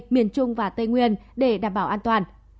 miền trung và tây nguyên để đảm bảo an toàn